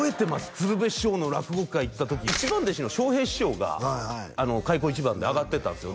鶴瓶師匠の落語会行った時一番弟子の笑瓶師匠が開口一番で上がってたんですよ